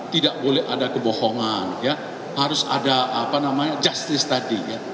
tidak boleh ada kebohongan harus ada justice tadi